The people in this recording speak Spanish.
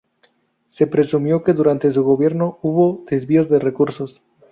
Se presumió que durante su gobierno hubo desvío de recursos.